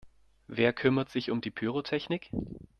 Wer kümmert sich um die Pyrotechnik?